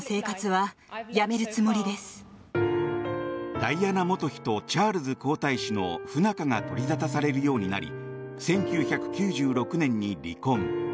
ダイアナ元妃とチャールズ皇太子の不仲が取りざたされるようになり１９９６年に離婚。